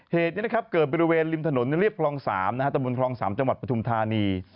เหตุนี้เกิดไปรวเวณริมถนนเลือดพศตมครศประทุมธานี